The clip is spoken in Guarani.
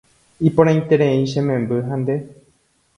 Iporãiterei che memby ha nde